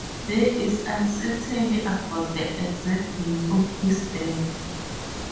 There is uncertainty about the exact date of his death.